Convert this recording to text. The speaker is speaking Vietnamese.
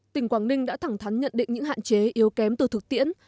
tỉnh quảng ninh đã thẳng thắn nhận định những hạn chế yếu kém từ thực tiễn